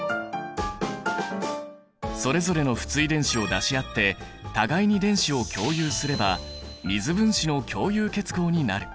それぞれの不対電子を出し合って互いに電子を共有すれば水分子の共有結合になる。